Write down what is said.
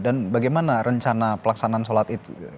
dan bagaimana rencana pelaksanaan sholat idul fitri